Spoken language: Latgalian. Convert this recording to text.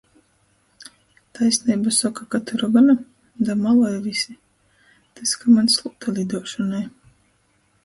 Taisneibu soka, ka tu rogona? Da maloj vysi. tys, ka maņ slūta liduošonai...